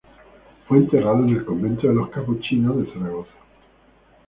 Fue enterrado en el convento de las capuchinas de Zaragoza.